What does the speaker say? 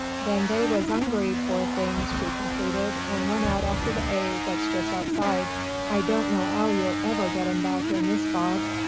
"Then they was 'ungry, pore things," she concluded, "and went out after the 'ay what's just outside. I don't know 'ow you'll ever get 'em back in this fog."